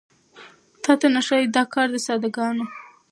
تاته نه ښايي دا کار د ساده ګانو